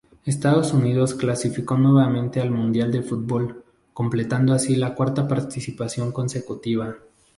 Estados Unidos clasificó nuevamente al Mundial de Fútbol, completando así la cuarta participación consecutiva.